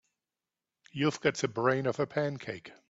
You've got the brain of a pancake.